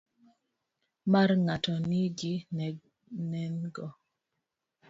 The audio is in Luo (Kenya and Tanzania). Mar ng'ato ni gi nengo.